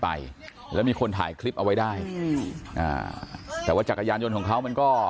ไปแล้วมีคนถ่ายคลิปเอาไว้ได้อืมอ่าแต่ว่าจักรยานยนต์ของเขามันก็